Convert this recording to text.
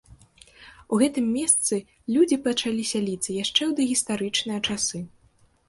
У гэтым месцы людзі пачалі сяліцца яшчэ ў дагістарычныя часы.